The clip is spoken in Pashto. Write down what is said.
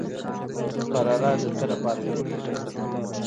مقرره د څه لپاره جوړیږي؟